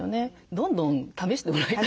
どんどん試してもらいたい。